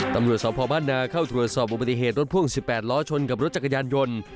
ตำรวจสพบ้านนาเข้าตรวจสอบอุบัติเหตุรถพ่วง๑๘ล้อชนกับรถจักรยานยนต์